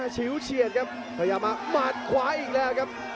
ชิวเฉียดครับพยายามมาหมัดขวาอีกแล้วครับ